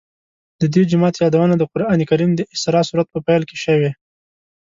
د دې جومات یادونه د قرآن کریم د اسراء سورت په پیل کې شوې.